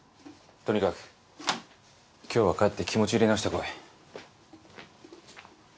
とにかく今日は帰って気持ち入れ直してこい。